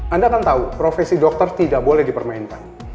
anda kan tahu profesi dokter tidak boleh dipermainkan